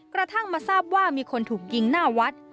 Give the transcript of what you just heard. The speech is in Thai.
กระทั่งมาทราบว่ามีคนถูกยิงหน้าวัด